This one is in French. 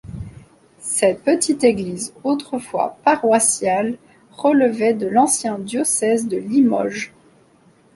Cette petite église, autrefois paroissiale, relevait de l'ancien diocèse de Limoges.